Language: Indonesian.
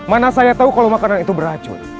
mana saya tahu kalau makanan itu beracun